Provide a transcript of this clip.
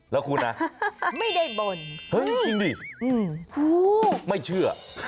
แล้วคุณนะไม่ได้บ่นเฮ้ยกินดิไม่เชื่อ